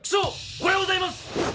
おはようございます！